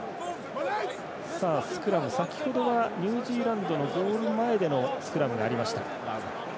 スクラム、先ほどはニュージーランドのゴール前でのスクラムがありました。